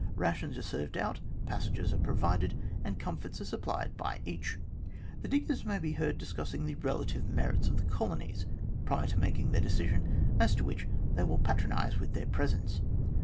Rations are served out, passages are provided, and comforts are supplied by each. The diggers may be heard discussing the relative merits of the colonies, prior to making their decision as to which they will patronise with their presence.